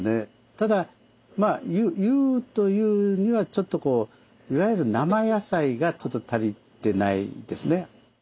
ただ「優」というにはちょっとこういわゆる生野菜が足りてないですね。